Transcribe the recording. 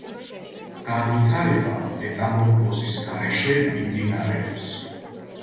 განვითარება მეტამორფოზის გარეშე მიმდინარეობს.